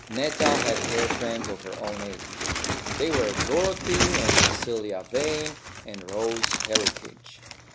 Netta had girl friends of her own age. They were Dorothy, and Cecilia Vane, and Rose Heritage.